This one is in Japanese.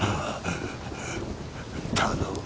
頼む。